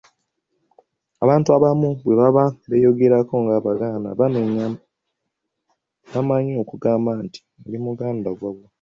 Abantu abamu bwe baba beeyogerako ng'Abaganda, bamanyi okugamba nti, “Ndi muganda wawu".